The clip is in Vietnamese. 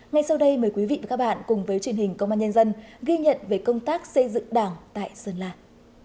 ngay sau đây mời quý vị và các bạn cùng với truyền hình công an nhân dân ghi nhận về công tác xây dựng đảng tại sơn lạc